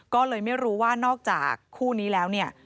ก็เลยไม่รู้ว่านอกจากคู่นี้แล้วเนี่ย